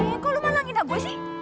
eh kok lu malangin aku sih